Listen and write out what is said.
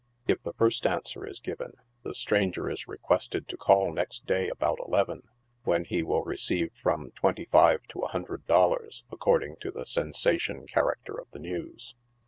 If the first answer is given, the stranger is requested to call next day about eleven, when he will receive from twenty five to a hundred dollars, according to the sen sation character of the news.